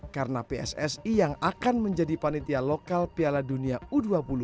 karena pssi yang akan menjadi panitia lokal piala dunia u dua puluh